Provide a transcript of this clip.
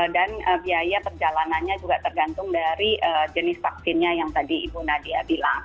dan biaya perjalanannya juga tergantung dari jenis vaksinnya yang tadi ibu nadia bilang